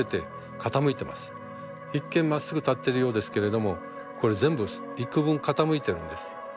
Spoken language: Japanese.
一見まっすぐ立ってるようですけれどもこれ全部幾分傾いてるんです。